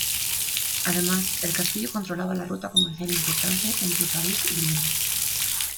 Además, el castillo controlaba la ruta comercial importante entre París y Lyon.